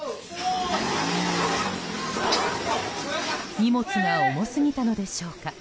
荷物が重すぎたのでしょうか。